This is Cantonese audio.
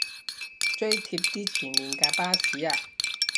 追貼啲前面架巴士吖